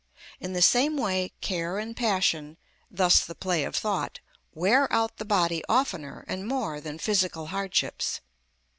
In the same way care and passion (thus the play of thought) wear out the body oftener and more than physical hardships.